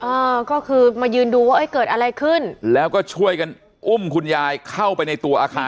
เออก็คือมายืนดูว่าเอ้ยเกิดอะไรขึ้นแล้วก็ช่วยกันอุ้มคุณยายเข้าไปในตัวอาคาร